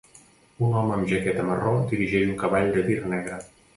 Un home amb jaqueta marró dirigeix un cavall de tir negre.